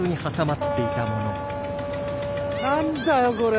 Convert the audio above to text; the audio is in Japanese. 何だよこれ！